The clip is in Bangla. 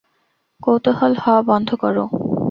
কৌতুহল হওয়া বন্ধ কর!